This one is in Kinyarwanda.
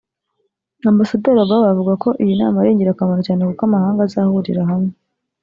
Ambasaderi Ogawa avuga ko iyi nama ari ingirakamaro cyane kuko amahanga azahurira hamwe